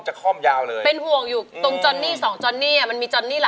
จัลลาจัลลาจัลลาจรานี่